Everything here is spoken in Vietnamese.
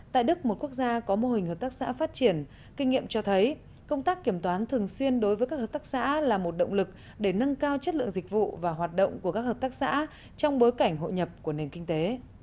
tại đức một quốc gia có mô hình hợp tác xã phát triển kinh nghiệm cho thấy công tác kiểm toán thường xuyên đối với các hợp tác xã là một động lực để nâng cao chất lượng dịch vụ và hoạt động của các hợp tác xã trong bối cảnh hội nhập của nền kinh tế